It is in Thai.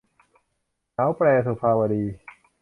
หนาวแปร - สุภาวดี